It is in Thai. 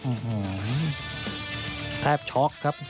อ๋อหงแทบช็อกครับ